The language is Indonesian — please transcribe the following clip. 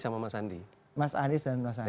sama mas andi mas anies dan mas andi